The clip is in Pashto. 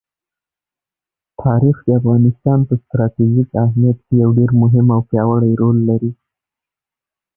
تاریخ د افغانستان په ستراتیژیک اهمیت کې یو ډېر مهم او پیاوړی رول لري.